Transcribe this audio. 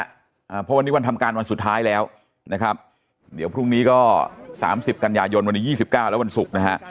อ่าเพราะวันนี้วันทำการวันสุดท้ายแล้วนะครับเดี๋ยวพรุ่งนี้ก็สามสิบกันยายนวันนี้ยี่สิบเก้าแล้ววันศุกร์นะฮะ